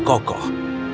menempatkan seluruh kerajaan